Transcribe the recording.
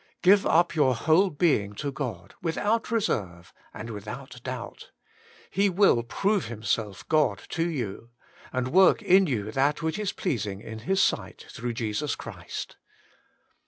Give up your whole heing to God without reserve and without doubt ; He will prove Himself God to you, and work in you that which is pleasing in His sight through Jesus Christ.